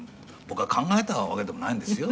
僕が考えたわけでもないんですよ」